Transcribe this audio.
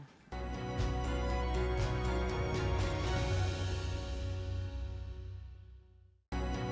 bagaimana cara menjual produknya